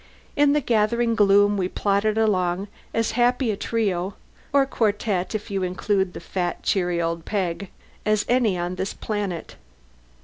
In the gathering gloom we plodded along, as happy a trio or quartet, if you include fat, cheery old Peg as any on this planet.